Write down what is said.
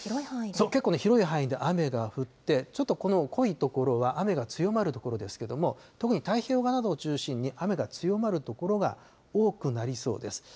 そう、結構広い範囲で雨が降って、ちょっとこの濃い所は雨が強まる所ですけれども、特に太平洋側などを中心に、雨が強まる所が多くなりそうです。